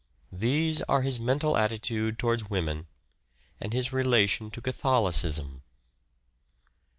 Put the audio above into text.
These are his mental attitude towards Woman, and his relation to Catholicism.